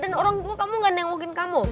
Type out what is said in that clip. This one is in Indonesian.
dan orang tua kamu gak nengokin kamu